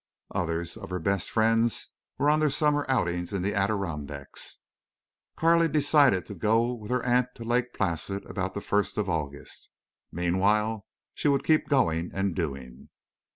Other of her best friends were on their summer outings in the Adirondacks. Carley decided to go with her aunt to Lake Placid about the first of August. Meanwhile she would keep going and doing.